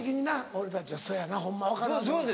俺たちはそやなホンマ分からん。